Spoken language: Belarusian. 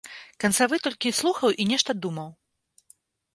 Канцавы толькі слухаў і нешта думаў.